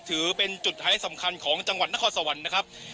ถือเป็นจุดไฮท์สำคัญของจังหวัดนครสวรรค์นะครับ